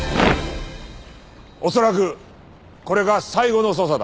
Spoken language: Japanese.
恐らくこれが最後の捜査だ。